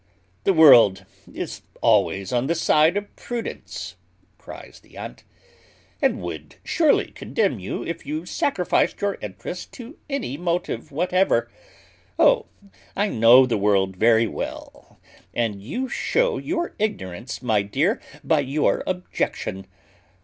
"The world is always on the side of prudence," cries the aunt, "and would surely condemn you if you sacrificed your interest to any motive whatever. Oh! I know the world very well; and you shew your ignorance, my dear, by your objection.